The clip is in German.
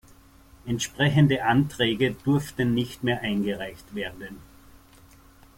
Entsprechende Anträge durften nicht mehr eingereicht werden.